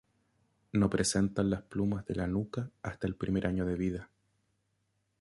No presentan las plumas de la nuca hasta el primer año de vida.